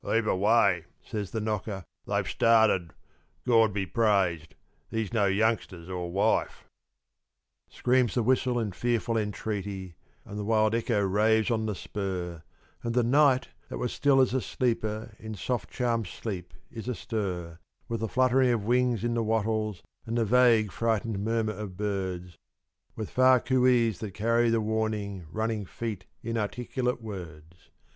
"Heave away!" says the knocker. "They've started. God be praised, he's no youngsters or wife!" Screams the whistle in fearful entreaty, and the wild echo raves on the spur, And the night, that was still as a sleeper in soft, charmed sleep, is astir With the fluttering of wings in the wattles, and the vague, frightened murmur of birds; With far cooeys that carry the warning, running feet, inarticulate words.